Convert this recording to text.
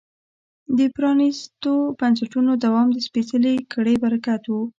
د پرانیستو بنسټونو دوام د سپېڅلې کړۍ برکت و.